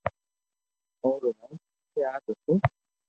او رو نوم سيات ھتو